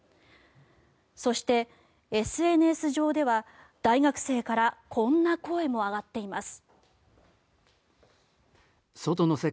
そして、ＳＮＳ上では大学生からこんな声も上がっています。